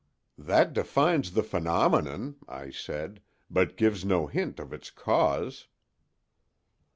'" "That defines the phenomenon," I said, "but gives no hint of its cause."